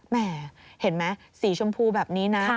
แห่เห็นไหมสีชมพูแบบนี้นะ